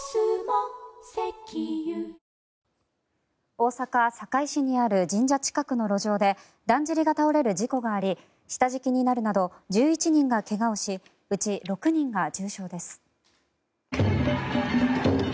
大阪・堺市にある神社近くの路上でだんじりが倒れる事故があり下敷きになるなど１１人が怪我をしうち６人が重傷です。